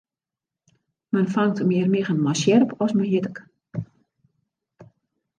Men fangt mear miggen mei sjerp as mei jittik.